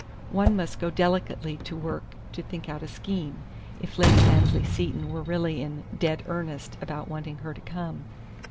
One must go delicately to work to think out a scheme, if Lady Annesley Seton were really in "dead earnest" about wanting her to come.